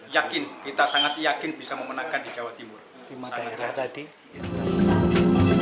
yakin kita sangat yakin bisa memenangkan di jawa timur